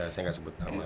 saya gak sebut nama